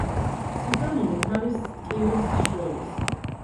ციტრამონი თავის ტკივილს შველის.